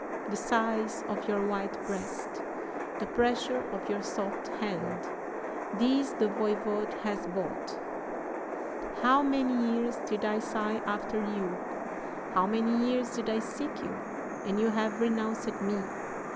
The sighs of your white breast, the pressure of your soft hand these the voyvode has bought! "'How many years did I sigh after you, how many years did I seek you, and you have renounced me!